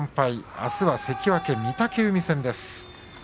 あすは関脇、御嶽海戦です。